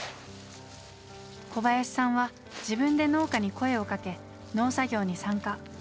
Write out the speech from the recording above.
小林さんは自分で農家に声をかけ農作業に参加。